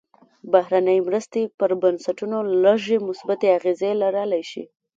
بهرنۍ مرستې پر بنسټونو لږې مثبتې اغېزې لرلی شي.